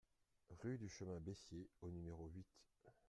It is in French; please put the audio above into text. Rue du Chemin Bessier au numéro huit